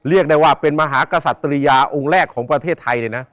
เรียกได้ว่าเป็นมหากษัตริยาองค์แรกของประเทศไทยเลยนะ